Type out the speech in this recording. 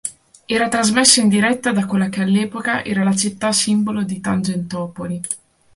Era trasmesso in diretta da quella che all'epoca era la città-simbolo di Tangentopoli.